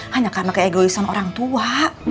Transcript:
hanya karena keegoisan orang tua